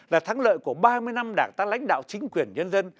là thắng lợi của ba mươi năm đảng ta lãnh đạo chính quyền nhân dân